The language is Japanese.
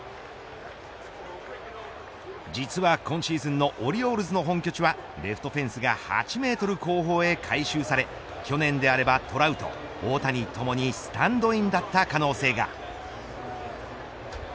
実は今シーズンのオリオールズの本拠地はレフトフェンスが８メートル後方へ改修され去年であればトラウト、大谷ともにスタンドインだった可能性が。